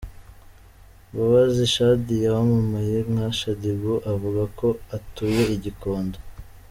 Mbabazi Shadiya wamamaye nka Shaddy Boo avuga ko atuye i Gikondo.